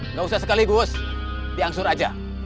nggak usah sekaligus diangsur aja